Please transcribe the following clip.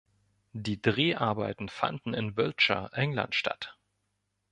Die Dreharbeiten fanden in Wiltshire, England statt.